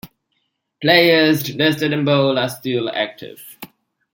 Players listed in bold are still active.